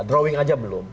drawing aja belum